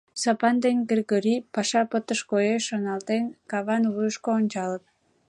Сапан ден Кыргорий «паша пытыш, коеш» шоналтен, каван вуйышко ончалыт.